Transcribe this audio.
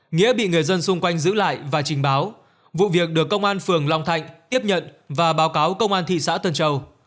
nghĩa bị người dân xung quanh giữ lại và trình báo vụ việc được công an phường long thạnh tiếp nhận và báo cáo công an thị xã tân châu